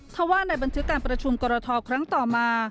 ถ้าว่าในบันทึกการประชุมกรทครั้งต่อมา